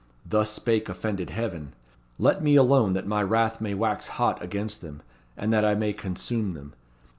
Thus spake offended Heaven: 'Let me alone that my wrath may wax hot against them, and that I may consume them.'